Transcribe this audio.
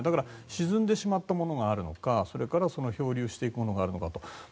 沈んでしまったものがあるのか漂流していくものがあるのか。